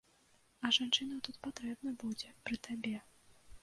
А жанчына тут патрэбна будзе, пры табе.